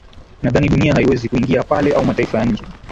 nadhani dunia haiwezi kuingia pale au mataifa ya nje